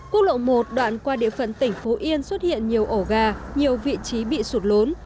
quốc lộ một đoạn qua địa phận tỉnh phú yên xuất hiện nhiều ổ gà nhiều vị trí bị sụt lún